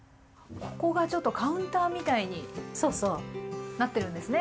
ここがちょっとカウンターみたいになってるんですね。